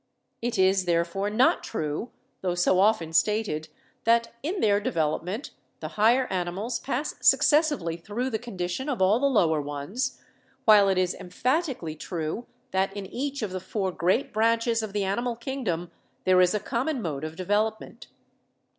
It is, therefore, not true, tho so often stated, that in their development the higher animals pass successively through the condition of all the lower ones; while it is emphatically true that in each of the four great branches of the Animal Kingdom there is a common mode of development.